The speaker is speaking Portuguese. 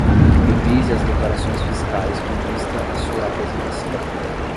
Revise as declarações fiscais com vista à sua apresentação.